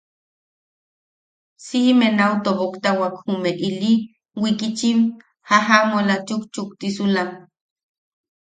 Siʼime nau toboktawak jume ili wikitchim jajamola chukchuktisulam.